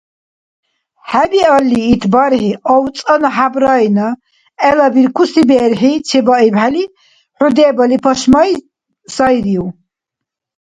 ХӀебиалли, ит бархӀи, авцӀанну хӀябрайна гӀелабиркуси берхӀи чебаибхӀели, хӀу дебали пашмай сайрив?